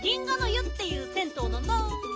湯っていう銭湯なんだ。